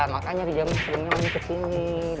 makanya di jam selesai selesai ke sini